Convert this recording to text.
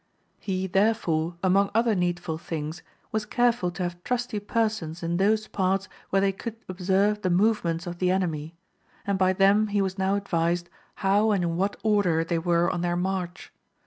He, therefore, among other needful things, was careful to have trusty persons in those parts where they could observe the movements of the enemy ; and by them he was now advised how and in what order they were on their march.